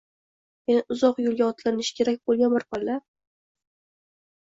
Yana uzoq yoʻlga otlanishi kerak boʻlgan bir palla.